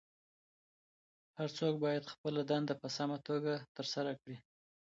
هر څوک باید خپله دنده په سمه توګه ترسره کړي.